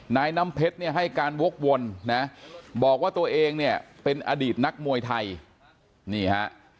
นายน้ำเพชรให้การวกวนบอกว่าตัวเองเป็นอดีตนักมวยไทย